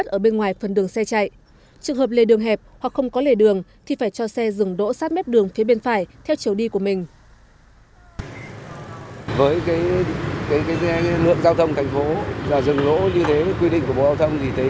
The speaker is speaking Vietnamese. trường hợp lề đường hẹp hoặc không có lề đường thì phải cho xe dừng đỗ sát mếp đường phía bên phải theo chiều đi của mình